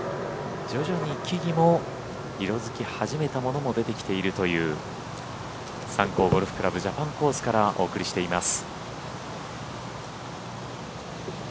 徐々に木々も色づき始めたものも出てきているという三甲ゴルフ倶楽部ジャパンコースからお送りしています。